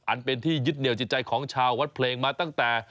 อันเป็นที่ยึดเหนียวจิตใจของชาววัดเพลงมาตั้งแต่